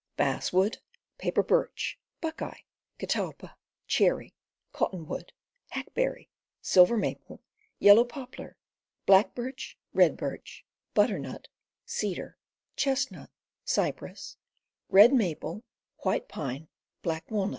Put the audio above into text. Basswood, Paper Birch, Buckeye, Catalpa, Cherry, Cottonwood, Hackberry, Silver Maple, Yellow Poplar Woods Easily Wrought Black Birch, Red Birch, Butternut, Cedar, Chestnut, Cypress, Red Maple, White Pine, Black Walnut.